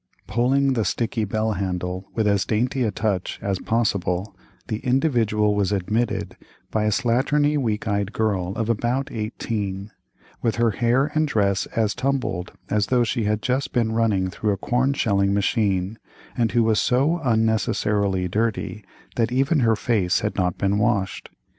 Pulling the sticky bell handle with as dainty a touch as possible, the Individual was admitted by a slatternly weak eyed girl of about eighteen, with her hair and dress as tumbled as though she had just been run through a corn shelling machine, and who was so unnecessarily dirty that even her face had not been washed.